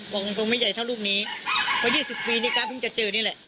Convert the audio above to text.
บอกตรงไม่ใหญ่เท่าลูกนี้เพราะ๒๐ปีนี่ก็เพิ่งจะเจอนี่แหละ